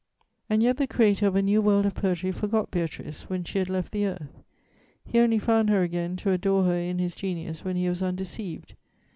"And yet the creator of a new world of poetry forgot Beatrice when she had left the earth! He only found her again, to adore her in his genius, when he was undeceived.